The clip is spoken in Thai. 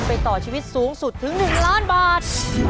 ต่อชีวิตสูงสุดถึง๑ล้านบาท